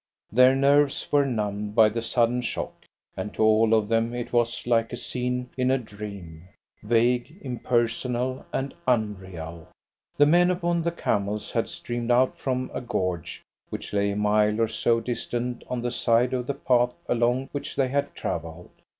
Their nerves were numbed by the sudden shock, and to all of them it was like a scene in a dream, vague, impersonal, and un real. The men upon the camels had streamed out from a gorge which lay a mile or so distant on the side of the path along which they had travelled.